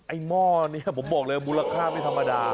หม้อนี้ผมบอกเลยมูลค่าไม่ธรรมดา